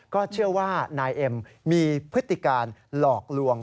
ก็เชื่อว่านายเอ็มมีพฤติการหลอกลวง